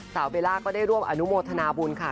เบลล่าก็ได้ร่วมอนุโมทนาบุญค่ะ